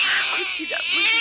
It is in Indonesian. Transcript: aku tidak akan memelihara